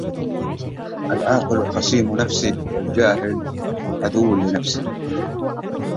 يا أديبا إليه كل أديب